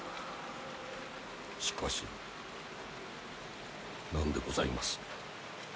しかし何でございます？